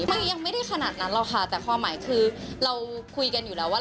มันยังไม่ได้ขนาดนั้นหรอกค่ะแต่ความหมายคือเราคุยกันอยู่แล้วว่า